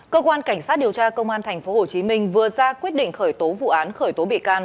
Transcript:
cơ quan cảnh sát điều tra công an tp hcm vừa ra quyết định khởi tố vụ án khởi tố bị can